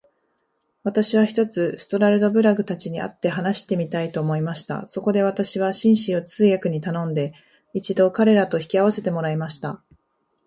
私は、ひとつストラルドブラグたちに会って話してみたいと思いました。そこで私は、紳士を通訳に頼んで、一度彼等と引き合せてもらいました。